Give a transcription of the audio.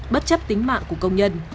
bất chấp tính mạng của công nhân